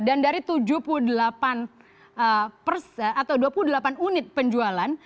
dan dari tujuh puluh delapan persen atau dua puluh delapan unit penjualan